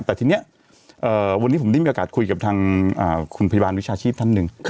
แต่ทีนี้วันนี้ผมได้มีโอกาสคุยกับทางคุณพยาบาลวิชาชีพท่านหนึ่ง